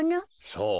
そう。